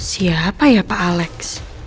siapa ya pak alex